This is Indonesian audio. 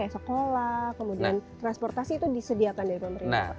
sekolah kemudian transportasi itu disediakan dari pemerintah